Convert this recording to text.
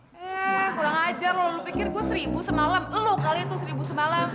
eh kurang ajar lo lo pikir gue seribu semalam lo kali itu seribu semalam